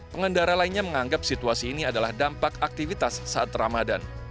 pengendara lainnya menganggap situasi ini adalah dampak aktivitas saat ramadan